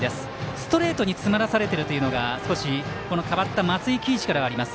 ストレートに詰まらされているところが少し、この代わった松井喜一からはあります。